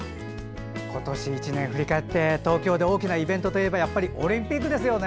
今年１年振り返って東京で大きなイベントといえばやっぱりオリンピックですよね。